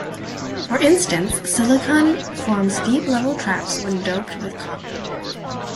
For instance, silicon forms deep-level traps when doped with copper.